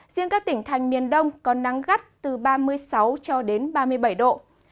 riêng các tỉnh thành miền đông có nắng gắt từ ba mươi sáu cho đến ba mươi bảy độ